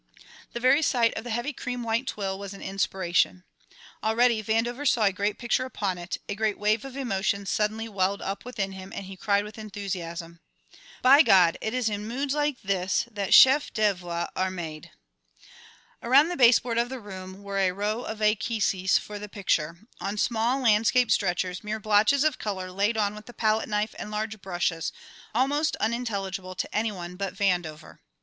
The very sight of the heavy cream white twill was an inspiration. Already Vandover saw a great picture upon it; a great wave of emotion suddenly welled up within him and he cried with enthusiasm: "By God! it is in moods like this that chef d'oeuvres are made." Around the baseboard of the room were a row of esquisses for the picture, on small landscape stretchers, mere blotches of colour laid on with the palette knife and large brushes, almost unintelligible to any one but Vandover.